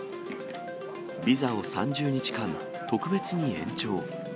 ビザを３０日間、特別に延長。